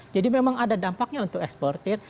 jadi memang ada dampaknya untuk eksportir